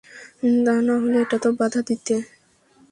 তানাহলে এটাতেও বাধা দিতে।